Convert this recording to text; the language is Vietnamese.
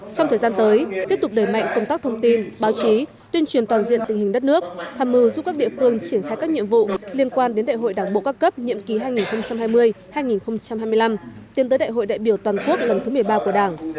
trong thời gian tới tiếp tục đẩy mạnh công tác thông tin báo chí tuyên truyền toàn diện tình hình đất nước tham mưu giúp các địa phương triển khai các nhiệm vụ liên quan đến đại hội đảng bộ các cấp nhiệm ký hai nghìn hai mươi hai nghìn hai mươi năm tiến tới đại hội đại biểu toàn quốc lần thứ một mươi ba của đảng